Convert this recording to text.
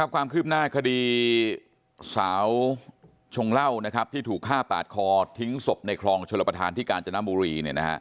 ความคืบหน้าคดีสาวชงเหล้าที่ถูกฆ่าปาดคอทิ้งศพในคลองชลประธานที่กาญจนบุรี